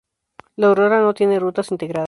La Aurora No Tiene Rutas Integradas.